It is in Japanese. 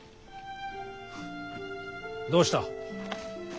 どうした。